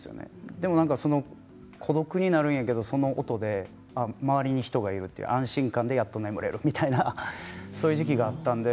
でも孤独になるんやけどその音で周りに人がいるという安心感でやっと眠れる時期がありました。